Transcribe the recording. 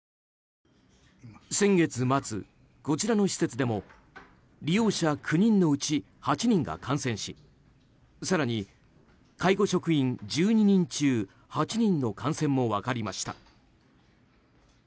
先月末、こちらの施設でも利用者９人のうち８人が感染し更に介護職員１２人中８人の感染も分かりました。